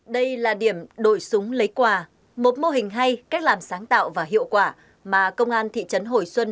đây là điểm đổi súng lấy quà một mô hình hay cách làm sáng tạo và hiệu quả mà công an thị trấn hồi xuân